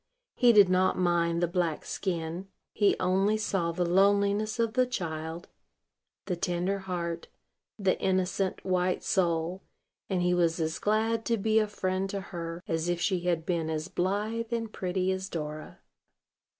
He did not mind the black skin: he only saw the loneliness of the child, the tender heart, the innocent, white soul; and he was as glad to be a friend to her as if she had been as blithe and pretty as Dora.